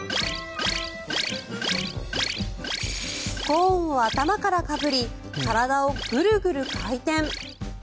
コーンを頭からかぶり体をグルグル回転。